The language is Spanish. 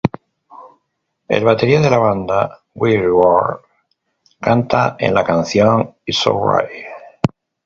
El batería de la banda, Bill Ward canta en la canción ""It's Alright"".